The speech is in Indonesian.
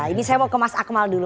ini saya mau ke mas akmal dulu